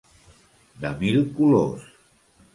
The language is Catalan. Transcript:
De mil colors.